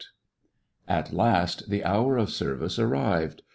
A striking At last the hour of service arrived.